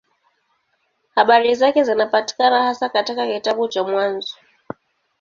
Habari zake zinapatikana hasa katika kitabu cha Mwanzo.